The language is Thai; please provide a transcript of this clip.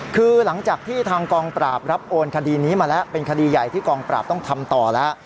คือหลังจากที่ทางกองปราบรับโอนคดีนี้มาแล้วเป็นคดีใหญ่ที่กองปราบต้องทำต่อแล้ว